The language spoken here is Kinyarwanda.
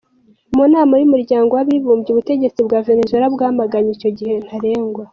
Mu nama y'umuryango w'abibumbye, ubutegetsi bwa Venezuela bwamaganye icyo gihe ntarengwa.